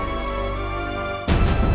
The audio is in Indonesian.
aku akan selalu mencintai kamu